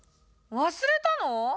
忘れたの！？